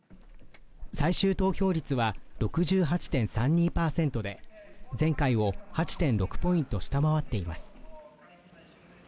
最終投票率は、６８．３２％で、前回を８．６ポイント下回っています